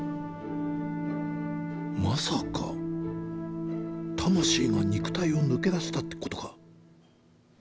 まさか魂が肉体を抜け出したってことか？